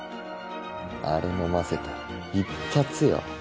あれ飲ませたら一発よ。